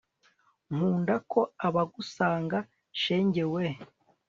nkunda ko abagusanga shenge we